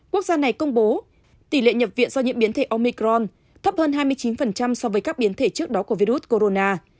quốc gia này công bố tỷ lệ nhập viện do nhiễm biến thể omicron thấp hơn hai mươi chín so với các biến thể trước đó của virus corona